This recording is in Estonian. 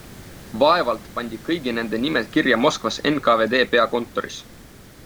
Vaevalt pandi kõigi nende nimed kirja Moskvas NKVD peakontoris?